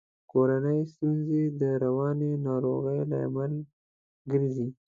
کورنۍ ستونزي د رواني ناروغیو لامل ګرزي.